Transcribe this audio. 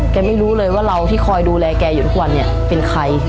ไม่รู้เลยว่าเราที่คอยดูแลแกอยู่ทุกวันเนี่ยเป็นใคร